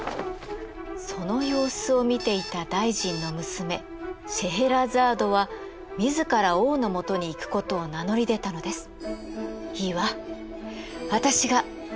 その様子を見ていた大臣の娘シェエラザードは自ら王のもとに行くことを名乗り出たのです。